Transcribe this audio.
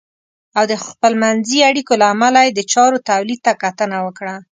او د خپلمنځي اړیکو له امله یې د چارو تولید ته کتنه وکړه .